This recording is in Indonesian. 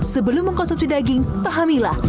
sebelum mengkonsumsi daging pahamilah